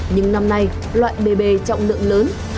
nhưng năm nay loại bề bề trọng lượng lớn